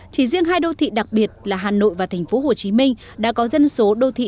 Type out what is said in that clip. chỉ riêng hai đô thị đặc biệt là hà nội và tp hcm đã có dân số đô thị